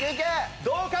どうか？